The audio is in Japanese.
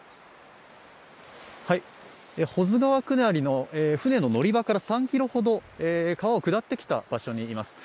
保津川下りの舟の乗り場から３ｋｍほど川を下ってきた場所にいます。